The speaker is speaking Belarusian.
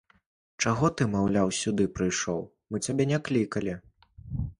Чаго ты, маўляў, сюды прыйшоў, мы цябе не клікалі.